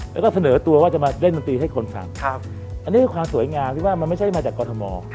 แล้วก็เสนอตัวว่าจะมาเล่นดนตรีให้คนฟังอันนี้คือความสวยงามที่ว่ามันไม่ใช่มาจากกรทม